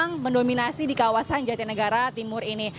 yang mendominasi di kawasan jatinegara timur ini